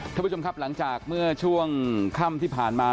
ท่านผู้ชมครับหลังจากเมื่อช่วงค่ำที่ผ่านมา